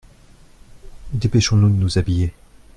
Dépêchons-nous de nous habiller.